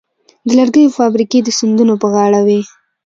د لرګیو فابریکې د سیندونو په غاړه وې.